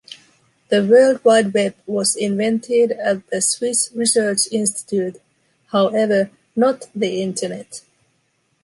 The World Wide Web was invented at the Swiss Research Institute, however, not the Internet.